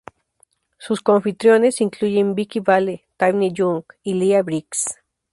Sus co-anfitriones incluyen Vicki Vale, Tawny Young, y Lia Briggs.